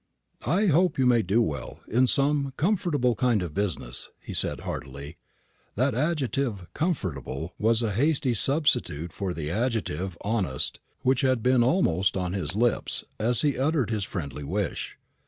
"I hope you may do well, in some comfortable kind of business," he said heartily. That adjective "comfortable" was a hasty substitute for the adjective "honest," which had been almost on his lips as he uttered his friendly wish.